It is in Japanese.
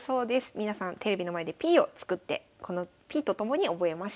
皆さんテレビの前でＰを作ってこのＰと共に覚えましょう。